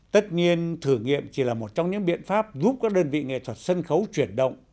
tất nhiên thử nghiệm chỉ là một trong những biện pháp giúp các đơn vị nghệ thuật sân khấu chuyển động